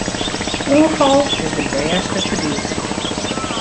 Oanfal is de bêste ferdigening.